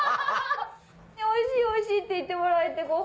おいしいおいしいって言ってもらえて。